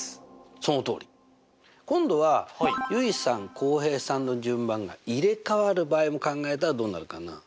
そのとおり！今度は結衣さん浩平さんの順番が入れ代わる場合も考えたらどうなるかな？